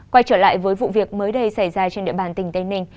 quay trở lại với vụ việc mới đây xảy ra trên địa bàn tỉnh tây ninh